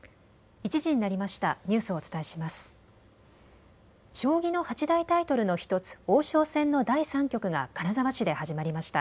１時になりました。